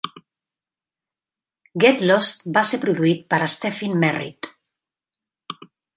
"Get Lost" va ser produït per Stephin Merritt.